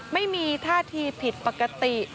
ไม่มีท่าทีผิดปกติ